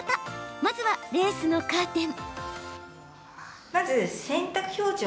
まずはレースのカーテン。